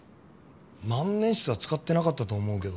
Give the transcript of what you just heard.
万年筆は使ってなかったと思うけど。